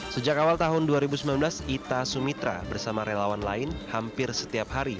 sejak awal tahun dua ribu sembilan belas ita sumitra bersama relawan lain hampir setiap hari